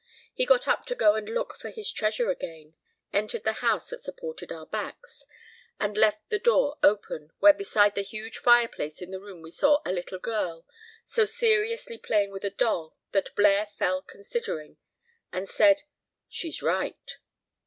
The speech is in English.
He got up to go and look for his treasure again, entered the house that supported our backs, and left the door open, where beside the huge fireplace in the room we saw a little girl, so seriously playing with a doll that Blaire fell considering, and said, "She's right."